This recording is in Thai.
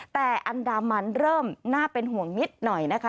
แต่อันดามันเริ่มน่าเป็นห่วงนิดหน่อยนะคะ